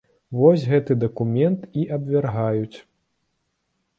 Вось гэты дакумент і абвяргаюць.